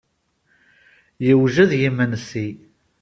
Yewjed yimensi.